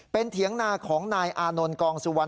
เป็นเถียงนาของนายอานนท์กองสุวรรณ